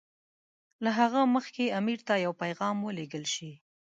له هغه مخکې امیر ته یو پیغام ولېږل شي.